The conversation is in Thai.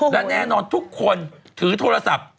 และแน่นอนทุกคนถือโทรศัพท์